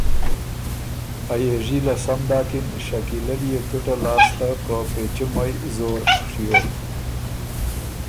ا يېژي له سم داکِن شکیلۀ ليې څُټه لاسته په پېچُمئ زور ڒیوک۔